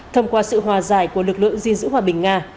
thông qua sự hòa giải của lực lượng gìn giữ hòa bình nga